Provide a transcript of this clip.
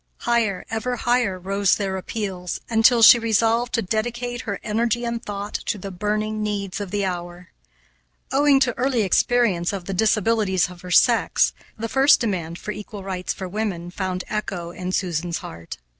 Higher, ever higher, rose their appeals, until she resolved to dedicate her energy and thought to the burning needs of the hour. Owing to early experience of the disabilities of her sex, the first demand for equal rights for women found echo in Susan's heart.